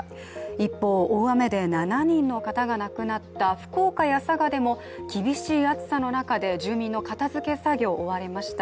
一方、大雨で７人の方が亡くなった福岡や佐賀でも厳しい暑さの中で住民の片付け作業、追われました。